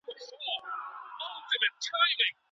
ولې افغان سوداګر ساختماني مواد له ایران څخه واردوي؟